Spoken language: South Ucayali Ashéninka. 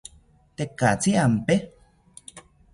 Tekatzi ampe